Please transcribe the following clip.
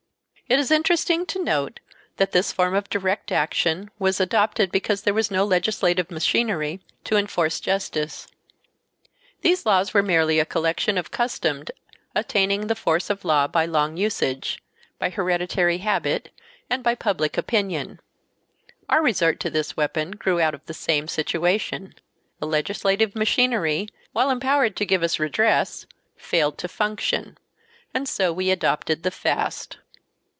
It is interesting to note that this form of direct action was adopted because there was no legislative machinery to enforce justice. These laws were merely a collection of customs attaining the force of law by long usage, by hereditary habit, and by public opinion. Our resort to this weapon grew out of the same situation. The legislative machinery, while empowered to give us redress, failed to function, and so we adopted the fast.